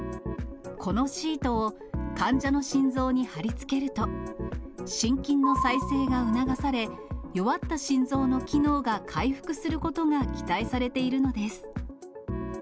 このシートを、患者の心臓に貼り付けると、心筋の再生が促され、弱った心臓の機能が回復することが期待されているのです。